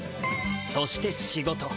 そして仕事。